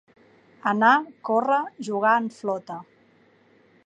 Anar, córrer, jugar en flota.